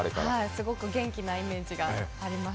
すごく元気なイメージがあります。